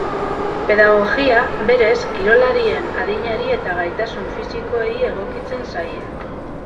Pedagogia, beraz, kirolarien adinari eta gaitasun fisikoei egokitzen zaie.